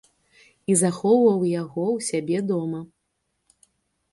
І захоўваў яго ў сябе дома.